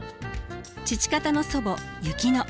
父方の祖母薫乃。